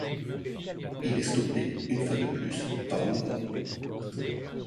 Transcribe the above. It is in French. Il est stoppé une fois de plus par Nova.